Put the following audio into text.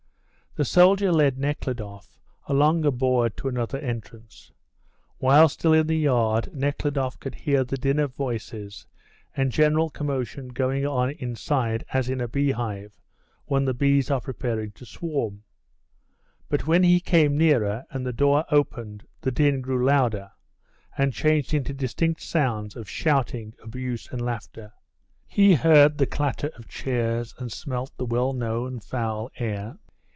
The soldier led Nekhludoff along a board to another entrance. While still in the yard Nekhludoff could hear the din of voices and general commotion going on inside as in a beehive when the bees are preparing to swarm; but when he came nearer and the door opened the din grew louder, and changed into distinct sounds of shouting, abuse and laughter. He heard the clatter of chairs and smelt the well known foul air.